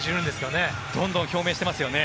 どんどん表明してますね。